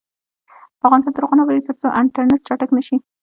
افغانستان تر هغو نه ابادیږي، ترڅو انټرنیټ چټک نشي.